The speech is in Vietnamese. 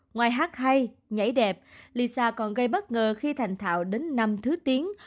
ngoài hát hay nhảy đẹp lisa còn gây bất ngờ khi thành thạo đến năm thứ tiếng